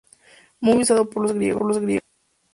Muy usado por los griegos.